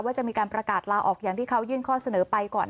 จะมีการประกาศลาออกอย่างที่เขายื่นข้อเสนอไปก่อน